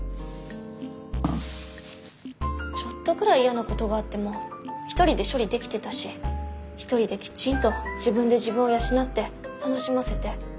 ちょっとくらい嫌なことがあっても一人で処理できてたし一人できちんと自分で自分を養って楽しませて。